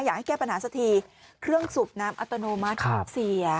อยากให้แก้ปัญหาสักทีเครื่องสูบน้ำอัตโนมัติเสีย